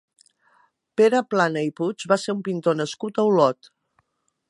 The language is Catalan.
Pere Plana i Puig va ser un pintor nascut a Olot.